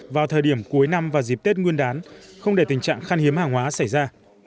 vào thời điểm cuối năm và dịp tết nguyên đán không để tình trạng khăn hiếm hàng hóa xảy ra